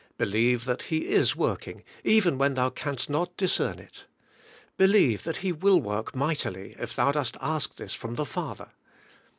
Believe that He is work ing, even when thou canst not discern it. Believe that He will work mightily if thou dost ask this from the Father.